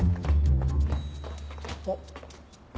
あっ。